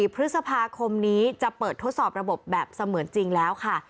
พฤษภาคมนี้จะเปิดทดสอบระบบแบบเสมือนจริงแล้วค่ะ